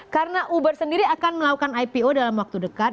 karena uber sendiri akan melakukan ipo dalam waktu dekat